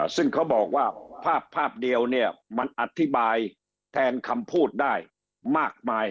ซึ่งเขาบอกว่าภาพเดียวเนี่ยมันอธิบายแทนคำพูดได้มากมาย